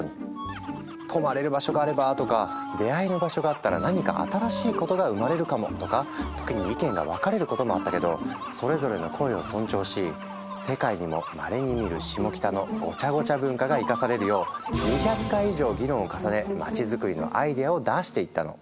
「泊まれる場所があれば」とか「出会いの場所があったら何か新しいことが生まれるかも」とか時に意見が分かれることもあったけどそれぞれの声を尊重し世界にもまれに見るシモキタのごちゃごちゃ文化が生かされるよう２００回以上議論を重ね街づくりのアイデアを出していったの。